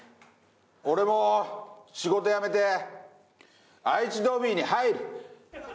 俺も仕事辞めて愛知ドビーに入る！